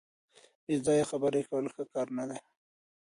بې ځایه خبرې کول ښه کار نه دی.